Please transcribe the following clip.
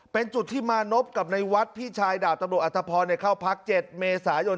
เป็นจุดที่มานพกับในวัดพี่ชายดาบตำรวจอัตภพรเข้าพัก๗เมษายน